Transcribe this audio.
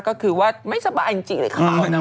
ก็คือว่าไม่สบายจริงเลยค่ะ